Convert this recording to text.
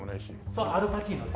そうアル・パチーノです。